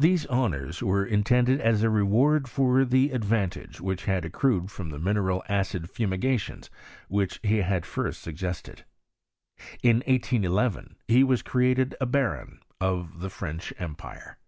Thes& honours were intended aa a reward for the advantage which had accrued from the mineral acid fumi^ tions which he had first suggested. In 1811 be was created a baron of tbe French empire.